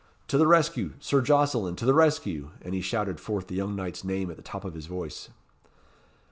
To the rescue! Sir Jocelyn! to the rescue!" And he shouted forth the young knight's name at the top of his voice.